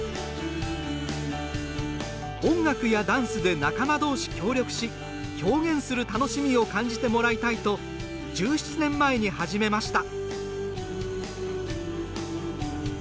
音楽やダンスで仲間どうし協力し表現する楽しみを感じてもらいたいと１７年前に始めました。